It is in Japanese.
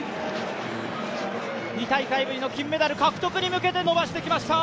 ２大会ぶりの金メダル獲得に向けて伸ばしてきました。